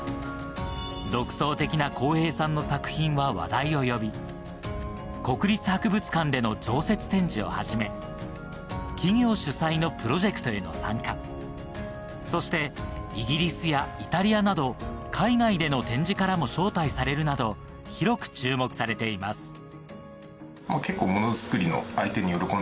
独創的な康平さんの作品は話題を呼び、国立博物館での常設展示をはじめ、企業主催のプロジェクトへの参加、そしてイギリスやイタリアなど海外での展示からも招待されるなど、広く注目されています。